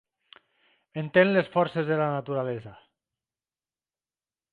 Entén les forces de la naturalesa.